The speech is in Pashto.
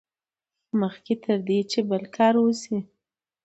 مخکې تر دې چې بل کار وشي.